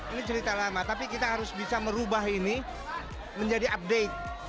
ini cerita lama tapi kita harus bisa merubah ini menjadi update